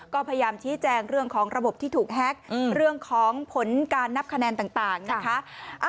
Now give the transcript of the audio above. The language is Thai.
ก็พยายามชี้แจงเรื่องของระบบที่ถูกแฮ็กเรื่องของผลการนับคะแนนต่างนะคะ